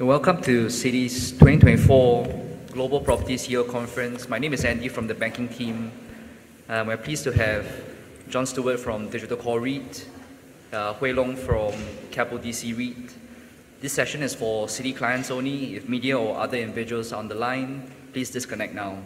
Welcome to Citi's 2024 Global Property CEO Conference. My name is Andy from the banking team, and we're pleased to have John Stewart from Digital Core REIT, Hwee Long from Keppel DC REIT. This session is for Citi clients only. If media or other individuals are on the line, please disconnect now.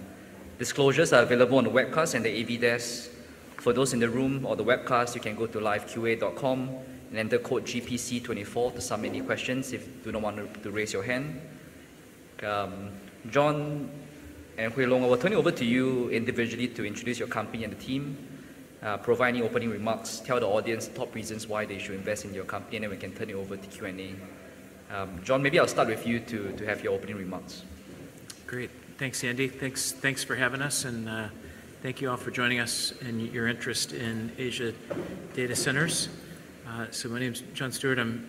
Disclosures are available on the webcast and the AV desk. For those in the room or the webcast, you can go to liveqa.com and enter code GPC24 to submit any questions if you do not want to, to raise your hand. John and Hwee Long, I will turn it over to you individually to introduce your company and the team, provide any opening remarks, tell the audience the top reasons why they should invest in your company, and then we can turn it over to Q&A. John, maybe I'll start with you to have your opening remarks. Great. Thanks, Andy. Thanks for having us, and thank you all for joining us and your interest in Asia data centers. So my name's John Stewart. I'm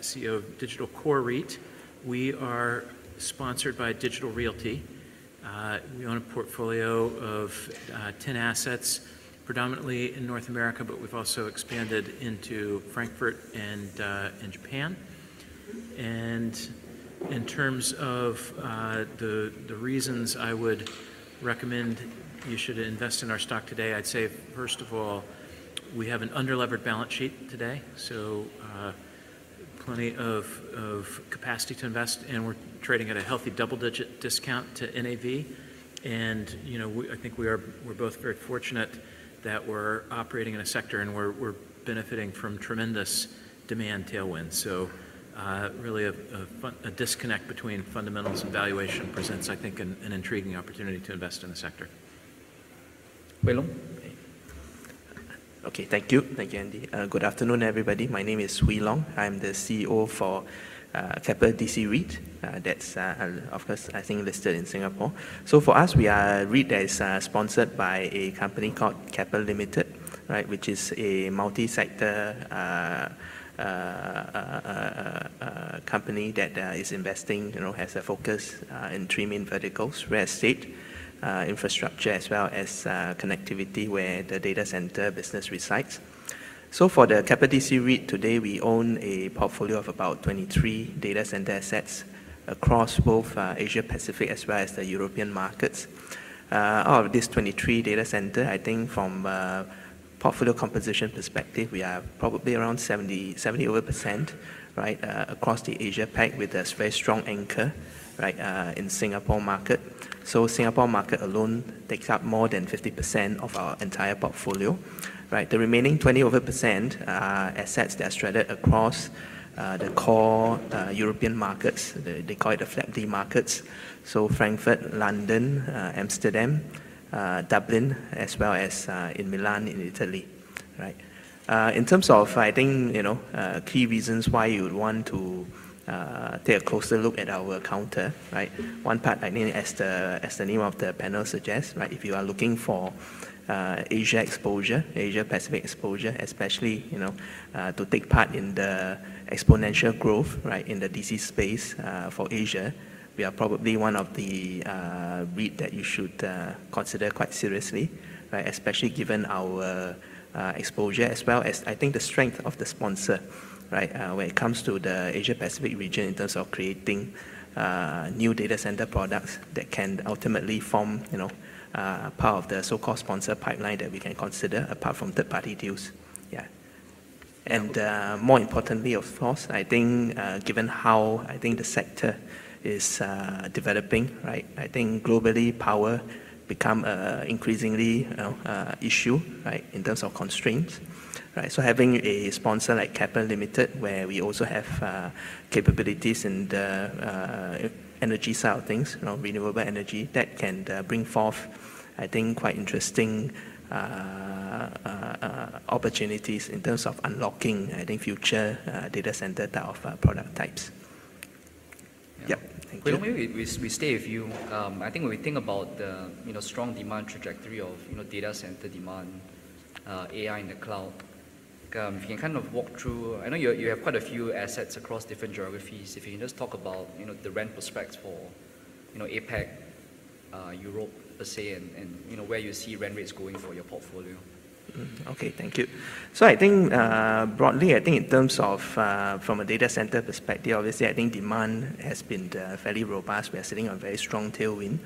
CEO of Digital Core REIT. We are sponsored by Digital Realty. We own a portfolio of 10 assets, predominantly in North America, but we've also expanded into Frankfurt and Japan. In terms of the reasons I would recommend you should invest in our stock today, I'd say, first of all, we have an under-levered balance sheet today, so plenty of capacity to invest, and we're trading at a healthy double-digit discount to NAV. You know, we-- I think we are-- we're both very fortunate that we're operating in a sector, and we're benefiting from tremendous demand tailwind. Really, a disconnect between fundamentals and valuation presents, I think, an intriguing opportunity to invest in the sector. Hwee Long? Okay. Thank you. Thank you, Andy. Good afternoon, everybody. My name is Hwee Long. I'm the CEO for Keppel DC REIT. That's, of course, I think listed in Singapore. So for us, we are a REIT that is sponsored by a company called Keppel Limited, right? Which is a multi-sector company that is investing, you know, has a focus in three main verticals: real estate, infrastructure, as well as connectivity, where the data center business resides. So for the Keppel DC REIT, today we own a portfolio of about 23 data center assets across both Asia Pacific as well as the European markets. Out of these 23 data center, I think from a portfolio composition perspective, we are probably around 70, 70%, right, across the Asia Pac, with a very strong anchor, right, in Singapore market. So Singapore market alone takes up more than 50% of our entire portfolio, right? The remaining 20-over % are assets that are threaded across the core European markets. They call it the FLAPD markets, so Frankfurt, London, Amsterdam, Dublin, as well as in Milan, in Italy, right? In terms of, I think, you know, key reasons why you would want to take a closer look at our counter, right? One part, I think, as the name of the panel suggests, right, if you are looking for, Asia exposure, Asia Pacific exposure, especially, you know, to take part in the exponential growth, right, in the DC space, for Asia, we are probably one of the, REIT that you should, consider quite seriously, right? Especially given our, exposure as well as, I think, the strength of the sponsor, right, when it comes to the Asia Pacific region in terms of creating, new data center products that can ultimately form, you know, part of the so-called sponsor pipeline that we can consider apart from third-party deals. Yeah. And, more importantly, of course, I think, given how I think the sector is developing, right, I think globally, power become increasingly, you know, issue, right, in terms of constraints, right? So having a sponsor like Keppel Limited, where we also have capabilities in the energy side of things, you know, renewable energy, that can bring forth, I think, quite interesting opportunities in terms of unlocking, I think, future data center type of product types. Yep. Thank you. Hwee Long, maybe we stay with you. I think when we think about the, you know, strong demand trajectory of, you know, data center demand, AI in the cloud, if you can kind of walk through... I know you have quite a few assets across different geographies. If you can just talk about, you know, the rent prospects for, you know, APAC, Europe, per se, and you know, where you see rent rates going for your portfolio. Okay, thank you. So I think, broadly, I think in terms of, from a data center perspective, obviously, I think demand has been, fairly robust. We are sitting on a very strong tailwind.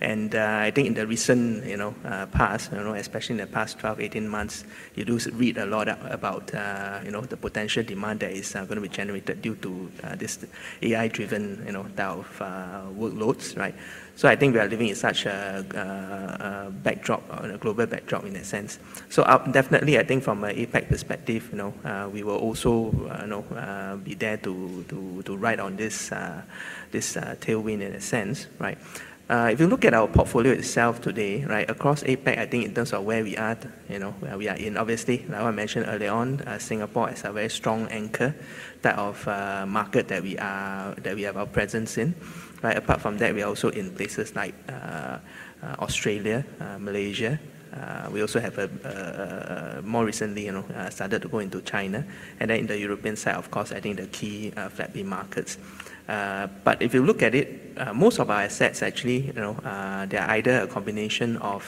And, I think in the recent, you know, past, you know, especially in the past 12, 18 months, you do read a lot about, you know, the potential demand that is, gonna be generated due to, this AI-driven, you know, type of, workloads, right? So I think we are living in such a, backdrop, a global backdrop in that sense. So, definitely, I think from an APAC perspective, you know, we will also, you know, be there to ride on this tailwind in a sense, right? If you look at our portfolio itself today, right, across APAC, I think in terms of where we are, you know, where we are in, obviously, like I mentioned earlier on, Singapore is a very strong anchor type of market that we have our presence in, right? Apart from that, we are also in places like Australia, Malaysia. We also have a more recently, you know, started to go into China. And then in the European side, of course, I think the key FLAPD markets. But if you look at it, most of our assets actually, you know, they're either a combination of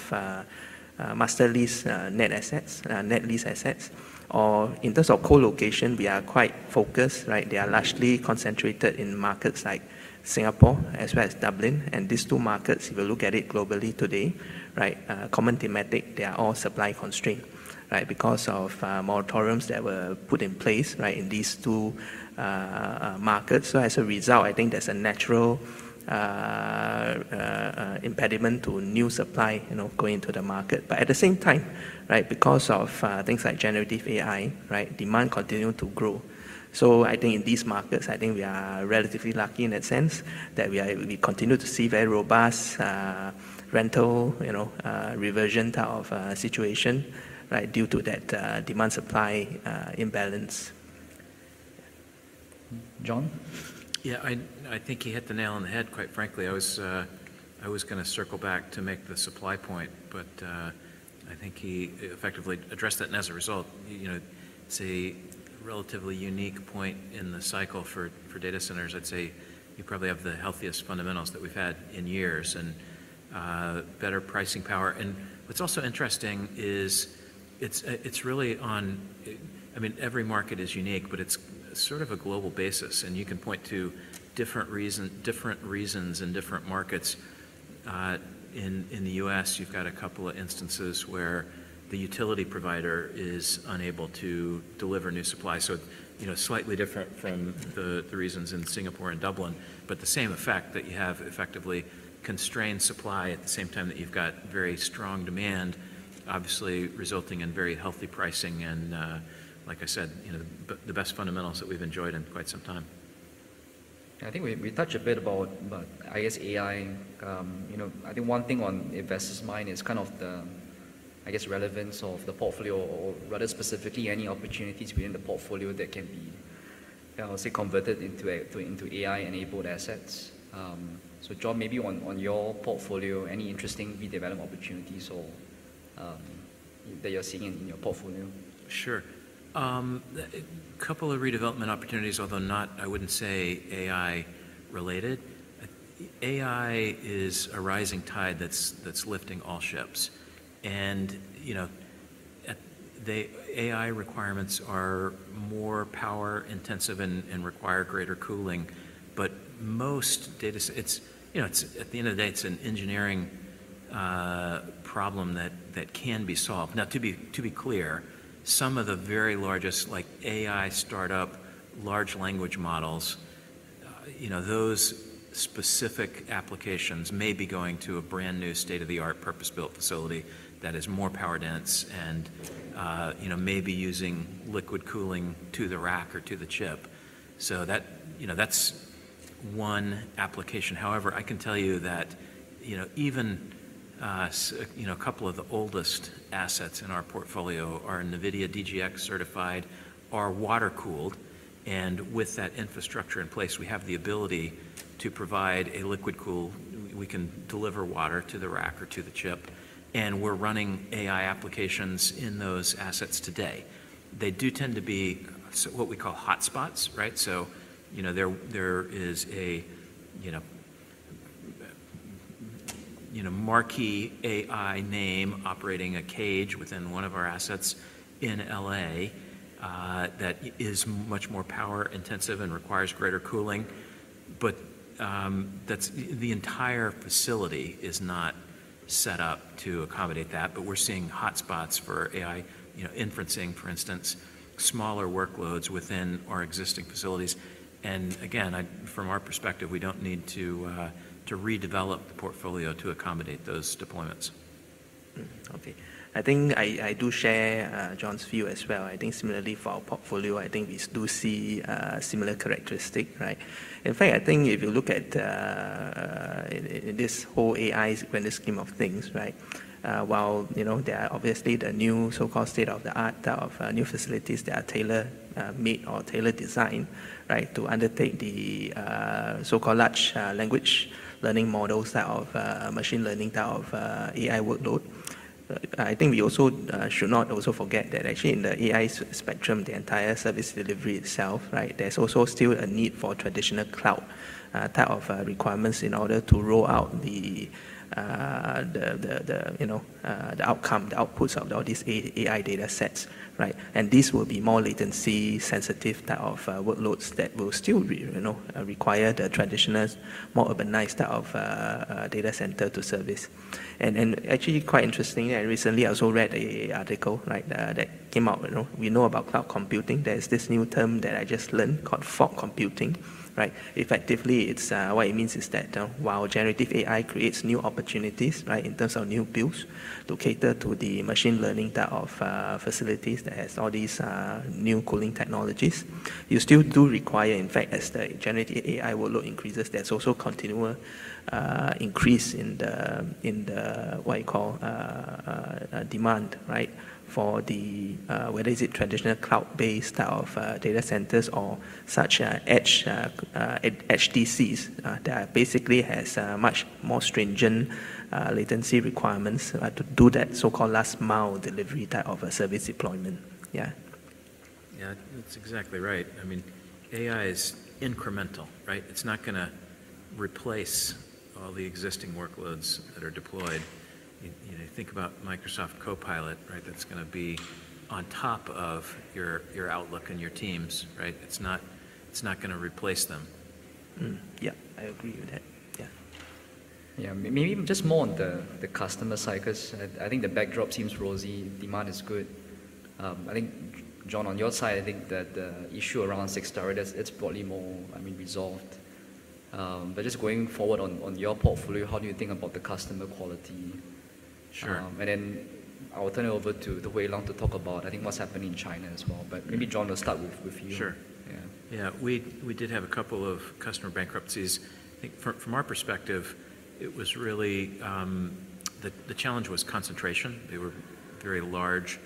master lease, net assets, net lease assets, or in terms of colocation, we are quite focused, right? They are largely concentrated in markets like Singapore as well as Dublin. And these two markets, if you look at it globally today, right, common thematic, they are all supply constraint, right? Because of, moratoriums that were put in place, right, in these two, markets. So as a result, I think there's a natural, impediment to new supply, you know, going into the market. But at the same time, right, because of, things like generative AI, right, demand continue to grow. So I think in these markets, I think we are relatively lucky in that sense, that we are-- we continue to see very robust, rental, you know, reversion type of, situation, right, due to that, demand-supply, imbalance. John? Yeah, I think he hit the nail on the head, quite frankly. I was going to circle back to make the supply point, but I think he effectively addressed that. As a result, you know, it's a relatively unique point in the cycle for data centers. I'd say you probably have the healthiest fundamentals that we've had in years and better pricing power. What's also interesting is it's really on-- I mean, every market is unique, but it's sort of a global basis, and you can point to different reasons in different markets. In the U.S., you've got a couple of instances where the utility provider is unable to deliver new supply. So, you know, slightly different from the reasons in Singapore and Dublin, but the same effect that you have effectively constrained supply at the same time that you've got very strong demand, obviously resulting in very healthy pricing and, like I said, you know, the best fundamentals that we've enjoyed in quite some time. I think we touched a bit about, I guess, AI. You know, I think one thing on investors' mind is kind of the, I guess, relevance of the portfolio or rather specifically, any opportunities within the portfolio that can be, say, converted into AI-enabled assets. So John, maybe on your portfolio, any interesting redevelopment opportunities or that you're seeing in your portfolio? Sure. A couple of redevelopment opportunities, although not, I wouldn't say AI related. AI is a rising tide that's lifting all ships. And, you know, the AI requirements are more power intensive and require greater cooling. But most data centers. It's, you know, it's at the end of the day, it's an engineering problem that can be solved. Now, to be clear, some of the very largest, like AI startup, large language models, you know, those specific applications may be going to a brand-new state-of-the-art purpose-built facility that is more power dense and, you know, maybe using liquid cooling to the rack or to the chip. So that, you know, that's one application. However, I can tell you that, you know, even you know, a couple of the oldest assets in our portfolio are NVIDIA DGX certified, are water-cooled, and with that infrastructure in place, we have the ability to provide a liquid cool. We can deliver water to the rack or to the chip, and we're running AI applications in those assets today. They do tend to be what we call hotspots, right? So, you know, there is a you know, marquee AI name operating a cage within one of our assets in L.A., that is much more power intensive and requires greater cooling. But, that's. The entire facility is not set up to accommodate that, but we're seeing hotspots for AI, you know, inferencing, for instance, smaller workloads within our existing facilities. And again, from our perspective, we don't need to redevelop the portfolio to accommodate those deployments. Okay. I think I do share John's view as well. I think similarly for our portfolio, I think we still see a similar characteristic, right? In fact, I think if you look at in this whole AI grand scheme of things, right, while you know there are obviously the new so-called state-of-the-art type of new facilities that are tailor-made or tailor-designed, right, to undertake the so-called large language models type of machine learning type of AI workload. I think we also should not also forget that actually in the AI spectrum, the entire service delivery itself, right, there's also still a need for traditional cloud type of requirements in order to roll out the, you know, the outcome, the outputs of all these AI data sets, right? And these will be more latency sensitive type of workloads that will still be, you know, require the traditional, more urbanized type of data center to service. And actually, quite interestingly, I recently also read a article, right, that came out. You know, we know about cloud computing. There is this new term that I just learned called fog computing, right? Effectively, it's. What it means is that, while generative AI creates new opportunities, right, in terms of new builds to cater to the machine learning type of facilities that has all these new cooling technologies, you still do require, in fact, as the generative AI workload increases, there's also continual increase in the, what you call, demand, right? For the whether is it traditional cloud-based type of data centers or such edge DCs that basically has a much more stringent latency requirements to do that so-called last mile delivery type of a service deployment. Yeah. Yeah, that's exactly right. I mean, AI is incremental, right? It's not gonna replace all the existing workloads that are deployed. You, you know, think about Microsoft Copilot, right? That's gonna be on top of your, your Outlook and your Teams, right? It's not, it's not gonna replace them. Yeah, I agree with that. Yeah. Yeah. Maybe just more on the customer side, 'cause I think the backdrop seems rosy. Demand is good. I think, John, on your side, I think that the issue around Cyxtera, it's probably more, I mean, resolved. But just going forward on your portfolio, how do you think about the customer quality? Sure. And then I will turn it over to Hwee Long to talk about, I think, what's happening in China as well. But maybe, John, we'll start with you. Sure. Yeah. Yeah. We did have a couple of customer bankruptcies. I think from our perspective, it was really. The challenge was concentration. They were very large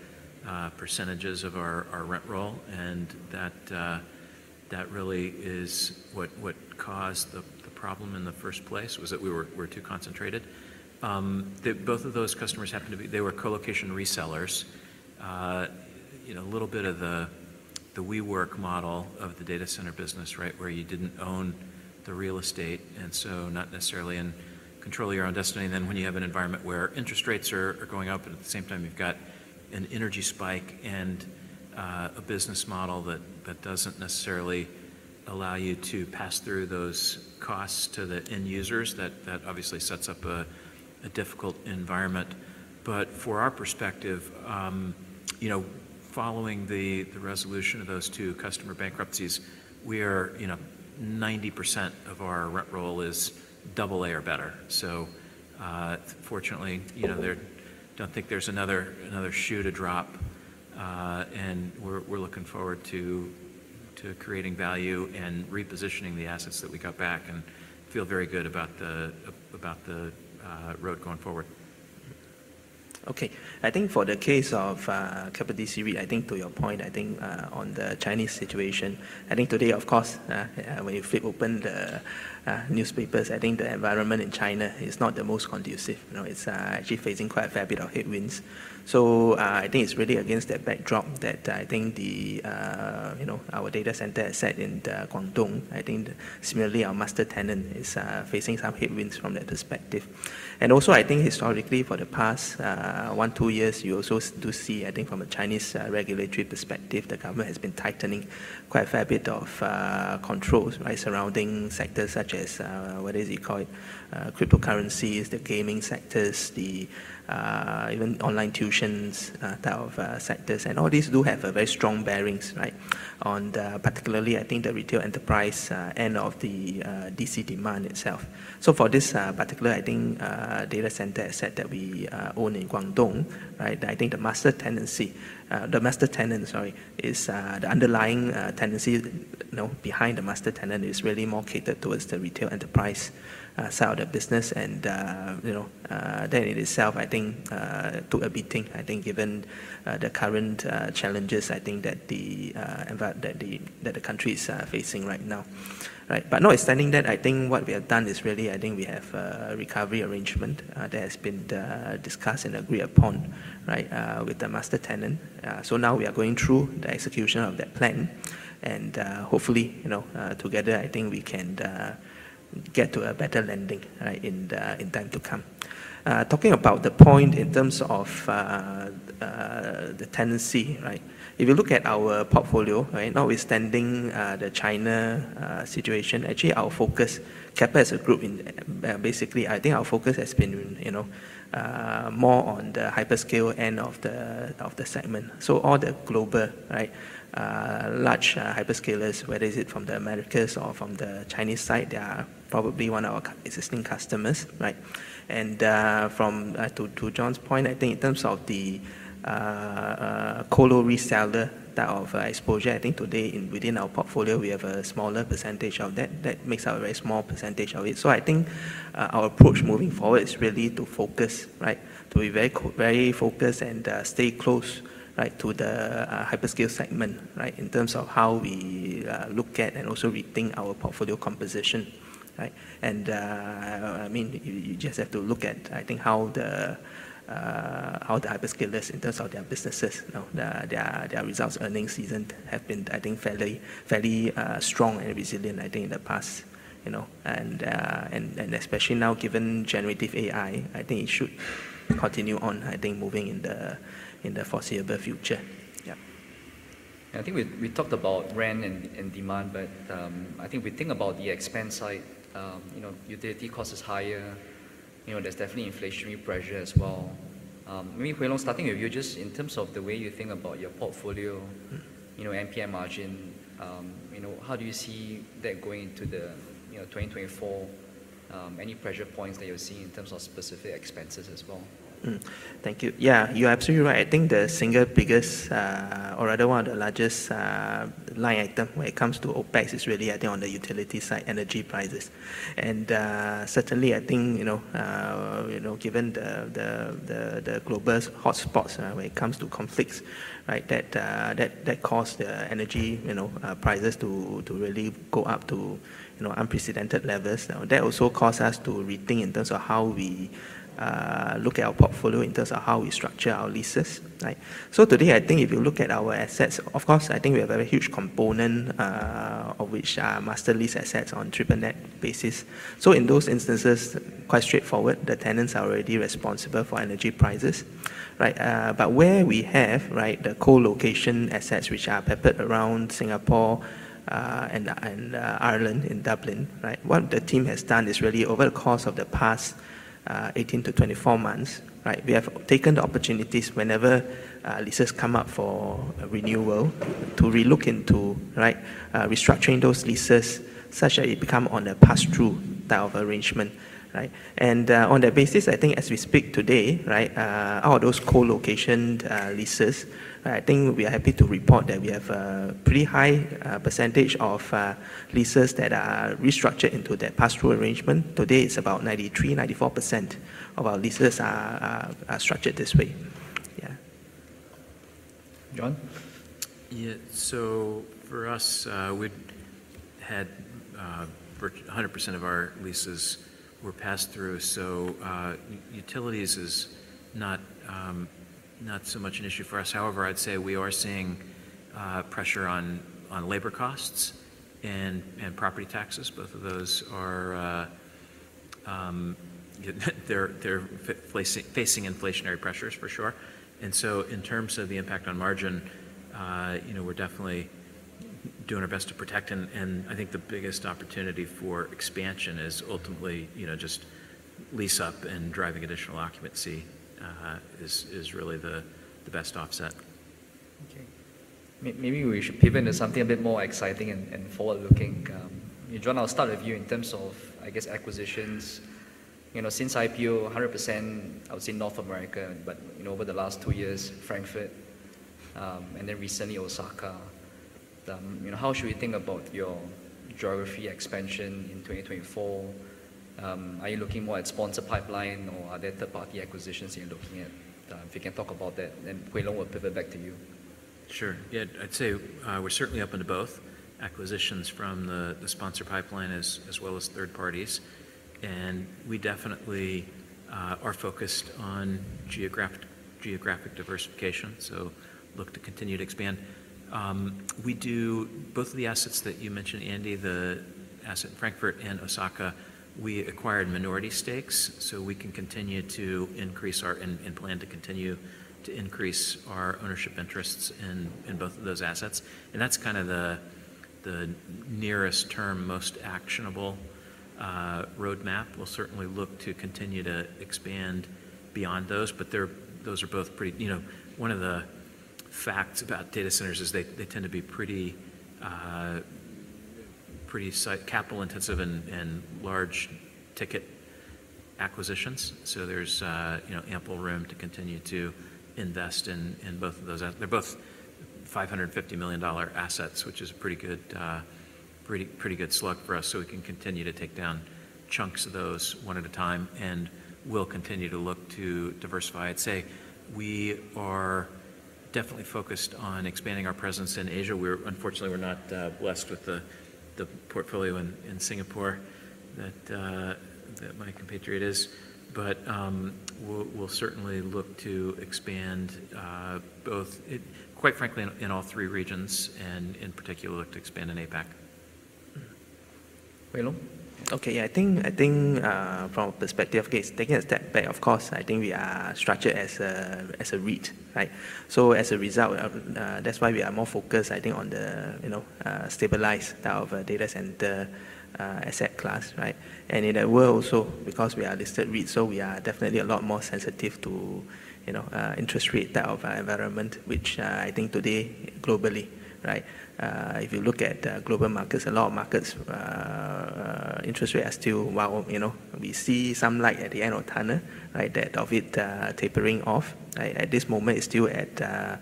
percentages of our rent roll, and that really is what caused the problem in the first place, was that we were too concentrated. The both of those customers happened to be they were colocation resellers. You know, a little bit of the WeWork model of the data center business, right? Where you didn't own the real estate, and so not necessarily in control of your own destiny. Then when you have an environment where interest rates are going up, and at the same time you've got an energy spike and a business model that doesn't necessarily allow you to pass through those costs to the end users, that obviously sets up a difficult environment. But from our perspective, you know, following the resolution of those two customer bankruptcies, 90% of our rent roll is double A or better. So, fortunately, you know, I don't think there's another shoe to drop. And we're looking forward to creating value and repositioning the assets that we got back and feel very good about the road going forward. Okay. I think for the case of, Keppel DC REIT, I think to your point, I think, on the Chinese situation, I think today, of course, when you flip open the, newspapers, I think the environment in China is not the most conducive. You know, it's, actually facing quite a fair bit of headwinds. So, I think it's really against that backdrop that I think the, you know, our data center is set in the Guangdong. I think similarly, our master tenant is, facing some headwinds from that perspective. And also, I think historically, for the past, one, two years, you also do see, I think from a Chinese, regulatory perspective, the government has been tightening quite a fair bit of, controls, right, surrounding sectors such as, what is it called? Cryptocurrencies, the gaming sectors, the even online tuitions type of sectors. And all these do have a very strong bearings, right, on the... particularly, I think, the retail enterprise and of the DC demand itself. So for this particular, I think, data center asset that we own in Guangdong, right, I think the master tenancy, the master tenant, sorry, is the underlying tenancy, you know, behind the master tenant is really more catered towards the retail enterprise side of the business. And, you know, that in itself, I think, took a beating. I think given the current challenges, I think that the that the country is facing right now, right? But notwithstanding that, I think what we have done is really, I think we have a recovery arrangement that has been discussed and agreed upon, right, with the master tenant. So now we are going through the execution of that plan, and hopefully, you know, together, I think we can get to a better landing, right, in the, in time to come. Talking about the point in terms of the tenancy, right? If you look at our portfolio, right, notwithstanding the China situation, actually, our focus, Keppel as a group in basically, I think our focus has been, you know, more on the hyperscale end of the, of the segment. So all the global, right, large hyperscalers, whether is it from the Americas or from the Chinese side, they are probably one of our existing customers, right? And from to John's point, I think in terms of the colo reseller type of exposure, I think today within our portfolio, we have a smaller percentage of that. That makes up a very small percentage of it. So I think our approach moving forward is really to focus, right? To be very focused and stay close, right, to the hyperscaler segment, right, in terms of how we look at and also rethink our portfolio composition, right? I mean, you just have to look at, I think, how the hyperscalers in terms of their businesses, you know, their results earning season have been, I think, fairly strong and resilient, I think, in the past, you know. And especially now, given generative AI, I think it should continue on, I think, moving in the foreseeable future. Yeah. I think we talked about rent and demand, but, I think we think about the expense side, you know, utility cost is higher. You know, there's definitely inflationary pressure as well. Maybe, Hwee Long, starting with you, just in terms of the way you think about your portfolio, you know, NPM margin, you know, how do you see that going into the, you know, 2024? Any pressure points that you're seeing in terms of specific expenses as well? Thank you. Yeah, you're absolutely right. I think the single biggest, or rather one of the largest, line item when it comes to OpEx is really, I think, on the utility side, energy prices. And, certainly, I think, you know, given the global hotspots, when it comes to conflicts, right, that caused the energy, you know, prices to really go up to, you know, unprecedented levels. Now, that also caused us to rethink in terms of how we look at our portfolio, in terms of how we structure our leases, right? So today, I think if you look at our assets, of course, I think we have a huge component, of which are master lease assets on triple net basis. So in those instances, quite straightforward, the tenants are already responsible for energy prices, right? But where we have, right, the colocation assets, which are peppered around Singapore, and Ireland, in Dublin, right? What the team has done is really over the course of the past 18-24 months, right, we have taken the opportunities whenever leases come up for renewal, to relook into, right, restructuring those leases such that it become on a pass-through type of arrangement, right? And on that basis, I think as we speak today, right, out of those colocation leases, I think we are happy to report that we have a pretty high percentage of leases that are restructured into that pass-through arrangement. Today, it's about 93%-94% of our leases are structured this way. John? Yeah, so for us, we'd had a hundred percent of our leases were passed through, so utilities is not not so much an issue for us. However, I'd say we are seeing pressure on labor costs and property taxes. Both of those are they're facing inflationary pressures, for sure. And so in terms of the impact on margin, you know, we're definitely doing our best to protect, and I think the biggest opportunity for expansion is ultimately, you know, just lease up and driving additional occupancy is really the best offset. Okay. Maybe we should pivot into something a bit more exciting and forward-looking. John, I'll start with you in terms of, I guess, acquisitions. You know, since IPO, 100%, I would say North America, but, you know, over the last two years, Frankfurt, and then recently Osaka. You know, how should we think about your geography expansion in 2024? Are you looking more at sponsor pipeline, or are there third-party acquisitions you're looking at? If you can talk about that, then Hwee Long, we'll pivot back to you. Sure. Yeah, I'd say we're certainly open to both acquisitions from the sponsor pipeline as well as third parties. And we definitely are focused on geographic diversification, so look to continue to expand. Both of the assets that you mentioned, Andy, the asset in Frankfurt and Osaka, we acquired minority stakes, so we can continue to increase our and plan to continue to increase our ownership interests in both of those assets. And that's kind of the nearest term, most actionable roadmap. We'll certainly look to continue to expand beyond those, but those are both pretty. You know, one of the facts about data centers is they tend to be pretty site capital intensive and large ticket acquisitions. So there's, you know, ample room to continue to invest in, in both of those—they're both $550 million assets, which is a pretty good, pretty, pretty good slug for us, so we can continue to take down chunks of those one at a time, and we'll continue to look to diversify. I'd say we are definitely focused on expanding our presence in Asia. We're—unfortunately, we're not, blessed with the, the portfolio in, in Singapore that, that my compatriot is. But, we'll, we'll certainly look to expand, quite frankly, in, in all three regions, and in particular, look to expand in APAC. Hwee Long? Okay, yeah. I think from a perspective of Keppel DC, taking a step back, of course, I think we are structured as a REIT, right? So as a result of... That's why we are more focused, I think, on the, you know, stabilized type of data center asset class, right? And in a world also, because we are listed REIT, so we are definitely a lot more sensitive to, you know, interest rate type of environment, which, I think today, globally, right? If you look at global markets, a lot of markets, interest rate are still wow. You know, we see some light at the end of tunnel, right? That of it tapering off, right? At this moment, it's still at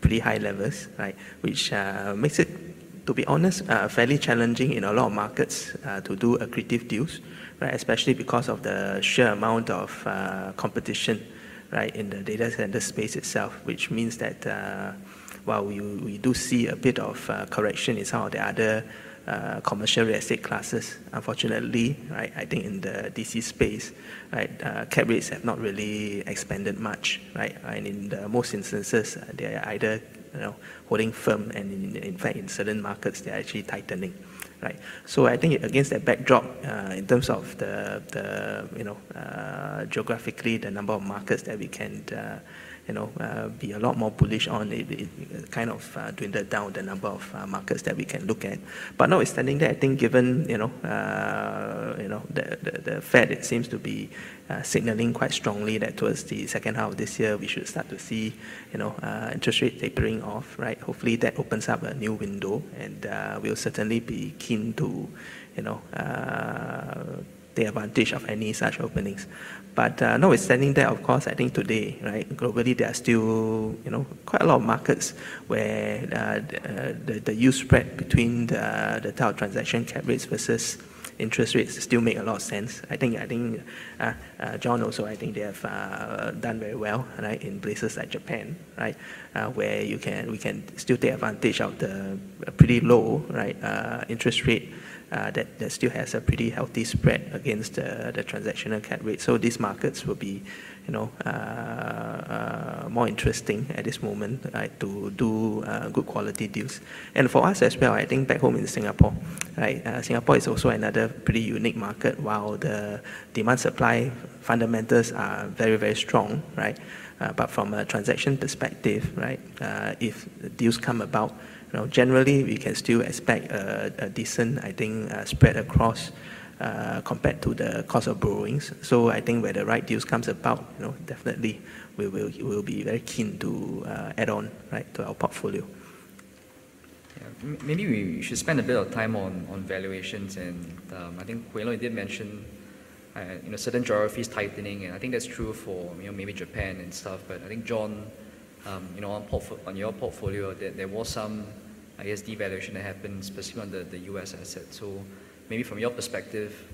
pretty high levels, right? Which makes it, to be honest, fairly challenging in a lot of markets to do accretive deals, right? Especially because of the sheer amount of competition, right, in the data center space itself, which means that while we do see a bit of correction in some of the other commercial real estate classes, unfortunately, right, I think in the DC space, right, cap rates have not really expanded much, right? And in most instances, they are either, you know, holding firm, and in fact, in certain markets, they're actually tightening, right? So I think against that backdrop, in terms of the you know, geographically, the number of markets that we can you know, be a lot more bullish on, it kind of dwindled down the number of markets that we can look at. But now extending that, I think given you know, you know, the the Fed, it seems to be signaling quite strongly that towards the second half of this year, we should start to see you know, interest rate tapering off, right? Hopefully, that opens up a new window, and we'll certainly be keen to you know, take advantage of any such openings. But, now extending that, of course, I think today, right, globally, there are still, you know, quite a lot of markets where the yield spread between the top transaction cap rates versus interest rates still make a lot of sense. I think, John, also, I think they have done very well, right, in places like Japan, right? Where we can still take advantage of the pretty low, right, interest rate that still has a pretty healthy spread against the transactional cap rate. So these markets will be, you know, more interesting at this moment, right, to do good quality deals. And for us as well, I think back home in Singapore, right? Singapore is also another pretty unique market, while the demand-supply fundamentals are very, very strong, right? But from a transaction perspective, right, if deals come about, you know, generally, we can still expect a, a decent, I think, spread across, compared to the cost of borrowings. So I think where the right deals comes about, you know, definitely we will, we will be very keen to, add on, right, to our portfolio. Yeah. Maybe we should spend a bit of time on valuations and, I think Hwee Long did mention, you know, certain geographies tightening, and I think that's true for, you know, maybe Japan and stuff. But I think, John, you know, on your portfolio, there was some devaluation that happened, especially on the U.S. assets. So maybe from your perspective,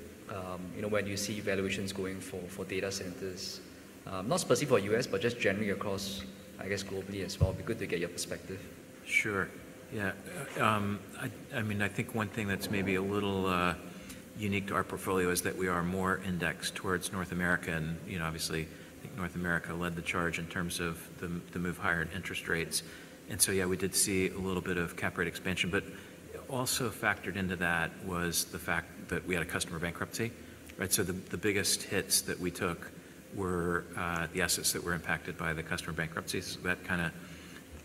you know, where do you see valuations going for data centers? Not specifically for U.S., but just generally across, I guess, globally as well. It'd be good to get your perspective. Sure. Yeah. I mean, I think one thing that's maybe a little unique to our portfolio is that we are more indexed towards North America. And, you know, obviously, I think North America led the charge in terms of the move higher in interest rates. And so, yeah, we did see a little bit of cap rate expansion. But also factored into that was the fact that we had a customer bankruptcy, right? So the biggest hits that we took were the assets that were impacted by the customer bankruptcies. So that kinda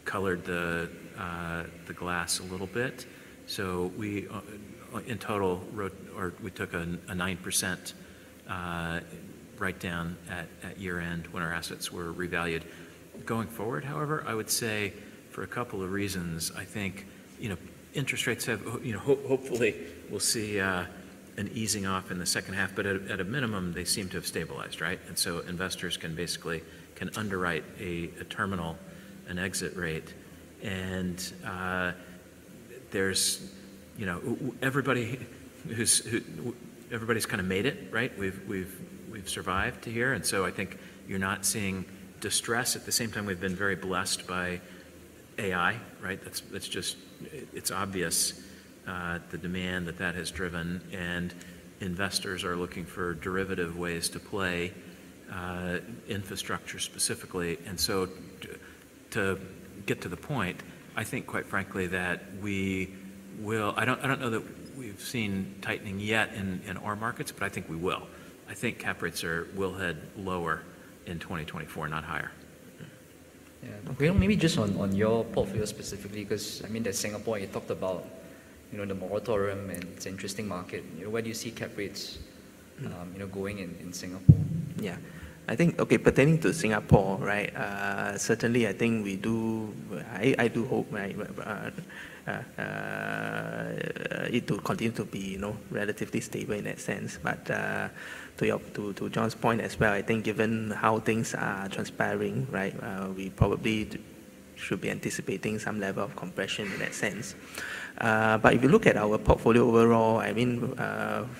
colored the glass a little bit. So we in total wrote... or we took a 9% write-down at year-end when our assets were revalued. Going forward, however, I would say, for a couple of reasons, I think, you know, interest rates have hopefully we'll see an easing off in the second half. But at a minimum, they seem to have stabilized, right? And so investors can basically underwrite a terminal exit rate. And there's, you know, everybody's kinda made it, right? We've survived to here, and so I think you're not seeing distress. At the same time, we've been very blessed by AI, right? That's just... It's obvious the demand that that has driven, and investors are looking for derivative ways to play infrastructure specifically. And so to get to the point, I think, quite frankly, that we will. I don't know that we've seen tightening yet in our markets, but I think we will. I think cap rates will head lower in 2024, not higher. Yeah. Well, maybe just on, on your portfolio specifically, 'cause I mean, that Singapore, you talked about, you know, the moratorium, and it's an interesting market. You know, where do you see cap rates, you know, going in, in Singapore? Yeah. I think, okay, pertaining to Singapore, right, certainly I think we do, I, I do hope, right, it to continue to be, you know, relatively stable in that sense. But, to your—to John's point as well, I think given how things are transpiring, right, we probably should be anticipating some level of compression in that sense. But if you look at our portfolio overall, I mean,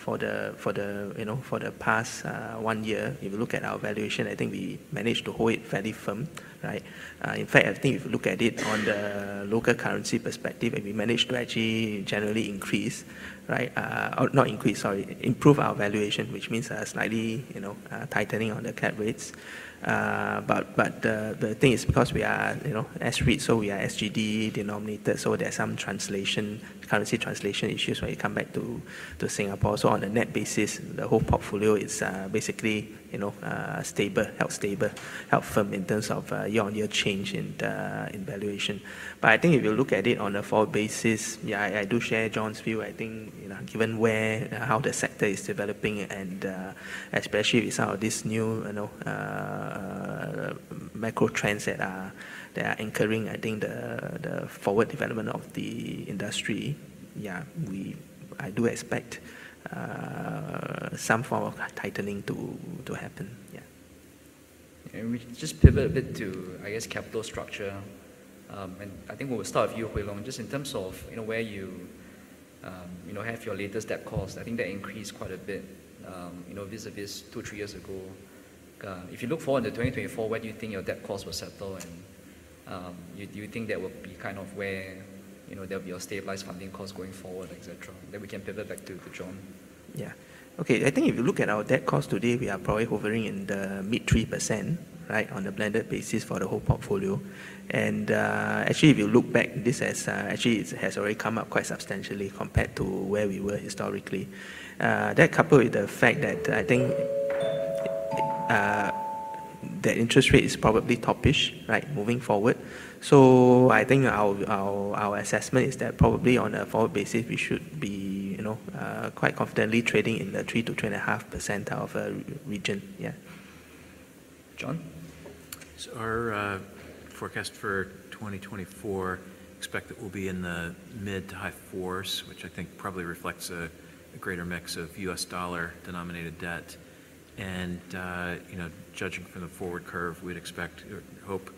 for the, for the, you know, for the past one year, if you look at our valuation, I think we managed to hold it fairly firm, right? In fact, I think if you look at it on the local currency perspective, and we managed to actually generally increase, right? Or not increase, sorry, improve our valuation, which means, slightly, you know, tightening on the cap rates. But the thing is, because we are, you know, S-REIT, so we are SGD denominated, so there are some translation, currency translation issues when you come back to Singapore. So on a net basis, the whole portfolio is basically, you know, stable, held stable, held firm in terms of year-on-year change in the valuation. But I think if you look at it on a forward basis, yeah, I do share John's view. I think, you know, given where how the sector is developing and especially with some of these new, you know, macro trends that are anchoring, I think the forward development of the industry, yeah, we... I do expect some form of tightening to happen. Yeah. And we can just pivot a bit to, I guess, capital structure. I think we'll start with you, Hwee Long. Just in terms of, you know, where you, you know, have your latest debt cost, I think that increased quite a bit, you know, vis-a-vis two to three years ago. If you look forward to 2024, where do you think your debt cost will settle, and, do you think that will be kind of where, you know, there'll be a stabilized funding cost going forward, et cetera? We can pivot back to John. Yeah. Okay, I think if you look at our debt cost today, we are probably hovering in the mid-3%, right, on a blended basis for the whole portfolio. And, actually, if you look back, this has already come up quite substantially compared to where we were historically. That coupled with the fact that I think, the interest rate is probably toppish, right, moving forward. So I think our assessment is that probably on a forward basis, we should be, you know, quite confidently trading in the 3%-2.5% of region. Yeah. John? So our forecast for 2024 expect that we'll be in the mid to high fours, which I think probably reflects a greater mix of U.S. dollar-denominated debt. And, you know, judging from the forward curve, we'd expect or hope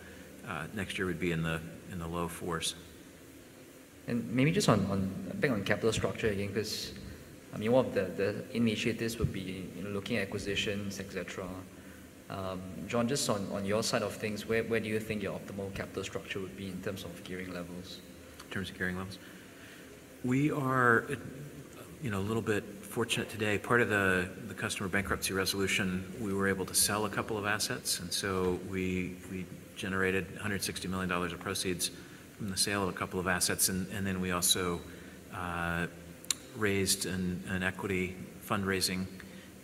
next year would be in the low fours. Maybe just a bit on capital structure again, 'cause I mean, one of the initiatives would be, you know, looking at acquisitions, et cetera. John, just on your side of things, where do you think your optimal capital structure would be in terms of gearing levels? In terms of gearing levels. We are, you know, a little bit fortunate today. Part of the customer bankruptcy resolution, we were able to sell a couple of assets, and so we generated $160 million of proceeds from the sale of a couple of assets. And then we also raised an equity fundraising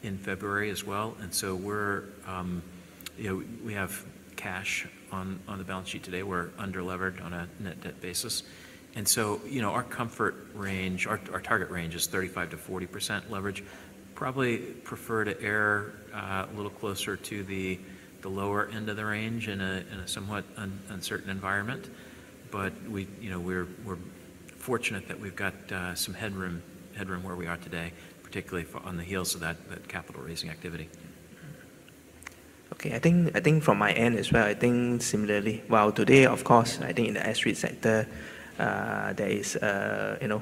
in February as well. And so we're, you know, we have cash on the balance sheet today. We're under-levered on a net debt basis. And so, you know, our comfort range, our target range is 35%-40% leverage. Probably prefer to err, a little closer to the lower end of the range in a somewhat uncertain environment. But we, you know, we're fortunate that we've got some headroom where we are today, particularly on the heels of that capital-raising activity. Okay, I think, I think from my end as well, I think similarly, while today, of course, I think in the S-REIT sector, there is, you know,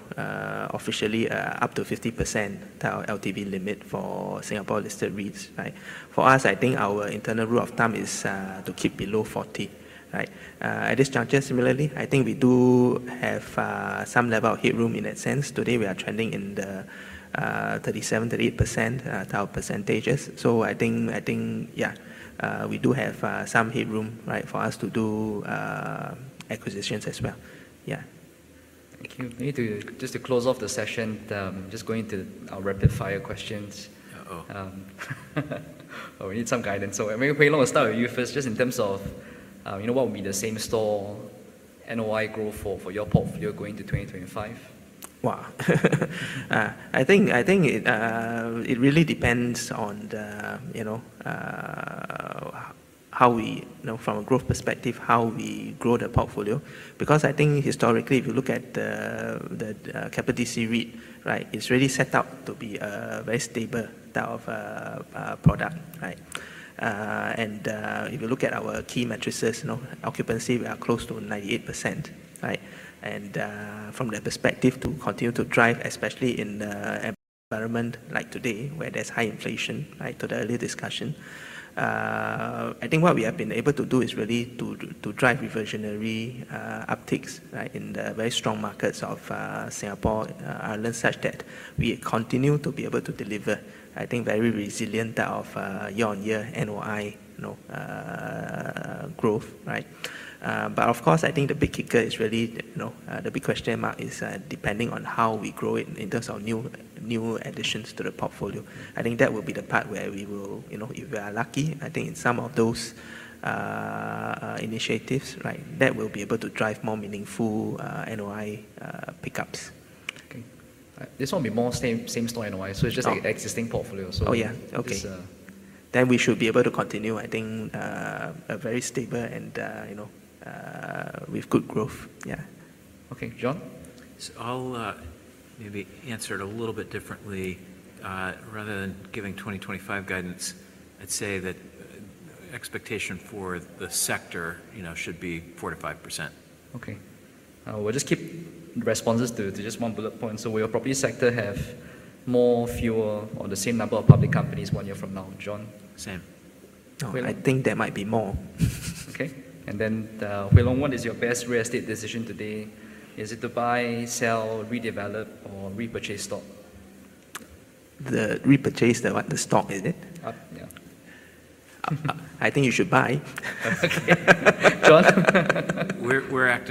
officially, up to 50% the LTV limit for Singapore-listed REITs, right? For us, I think our internal rule of thumb is to keep below 40, right? At this juncture, similarly, I think we do have some level of headroom in that sense. Today, we are trending in the 37%-38% LTV percentages. So I think, I think, yeah, we do have some headroom, right, for us to do acquisitions as well. Yeah. Thank you. Maybe too, just to close off the session, just going to our rapid-fire questions. Well, we need some guidance. So maybe, Hwee, let me start with you first, just in terms of, you know, what would be the same-store NOI growth for your portfolio going to 2025? Wow. I think it really depends on, you know, how we grow the portfolio from a growth perspective. Because I think historically, if you look at the Digital Core REIT, right, it's really set up to be a very stable type of product, right? And if you look at our key metrics, you know, occupancy, we are close to 98%, right? From that perspective, to continue to drive, especially in the environment like today, where there's high inflation, right, to the earlier discussion, I think what we have been able to do is really to drive reversionary upticks, right, in the very strong markets of Singapore, Ireland, such that we continue to be able to deliver, I think, very resilient of year-on-year NOI, you know, growth, right? But of course, I think the big kicker is really, you know, the big question mark is depending on how we grow it in terms of new additions to the portfolio. I think that will be the part where we will, you know, if we are lucky, I think in some of those initiatives, right, that will be able to drive more meaningful NOI pick-ups. Okay. This one will be more same-store NOI. It's just like existing portfolio, so- Yeah. Okay. It's, uh- Then we should be able to continue, I think, a very stable and, you know, with good growth. Yeah. Okay. John? So I'll, maybe answer it a little bit differently. Rather than giving 2025 guidance, I'd say that expectation for the sector, you know, should be 4%-5%. Okay. We'll just keep responses to just one bullet point. So will your property sector have more, fewer, or the same number of public companies one year from now, John? Same. Well- No, I think there might be more. Okay. And then, Hwee Long what is your best real estate decision today? Is it to buy, sell, redevelop, or repurchase stock? The repurchase the what? The stock, is it? Yeah. I think you should buy. Okay. John? We're.